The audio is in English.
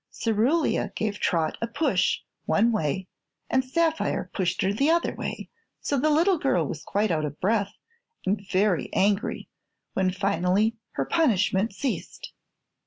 Cerulia gave Trot a push one way and Sapphire pushed her the other way, so the little girl was quite out of breath and very angry when finally her punishment ceased.